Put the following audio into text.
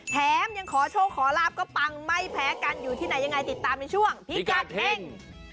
แถมยังขอโชคขอลาบก็ปังไม่แพ้กันอยู่ที่ไหนยังไงติดตามในช่วงพิกัดเฮ่ง